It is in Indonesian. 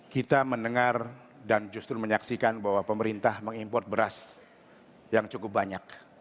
kita mendengar dan justru menyaksikan bahwa pemerintah mengimport beras yang cukup banyak